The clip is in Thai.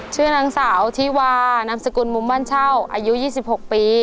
ชื่อนางสาวที่วานามสกุลมุมบ้านเช่าอายุ๒๖ปี